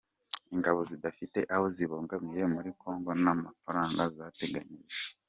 Ingabo zidafite aho zibogamiye muri Congo nta mafaranga zateganyirijwe